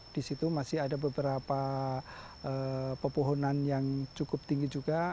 di situ masih ada beberapa pepohonan yang cukup tinggi juga